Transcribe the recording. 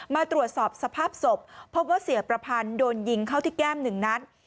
มาตรวจสอบสภาพศพพบว่าเสียประพันธ์โดนยิงเข้าที่แก้ม๑นัด